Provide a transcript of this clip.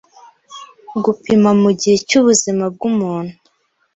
gupima mugihe cyubuzima bwumuntu